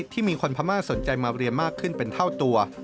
ที่มีคนพม่าสนใจมาเรียมากขึ้นเป็นเท่าตัว